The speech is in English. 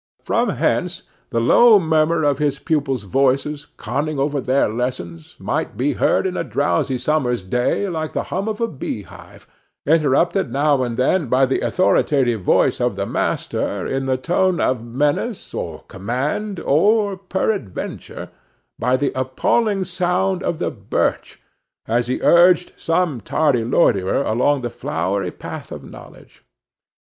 From hence the low murmur of his pupils' voices, conning over their lessons, might be heard in a drowsy summer's day, like the hum of a beehive; interrupted now and then by the authoritative voice of the master, in the tone of menace or command, or, peradventure, by the appalling sound of the birch, as he urged some tardy loiterer along the flowery path of knowledge.